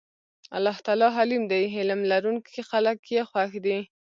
الله تعالی حليم دی حِلم لرونکي خلک ئي خوښ دي